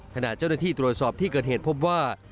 ขณะเจ้าหน้าที่ตรวจสอบที่เกิดเหตุพบว่า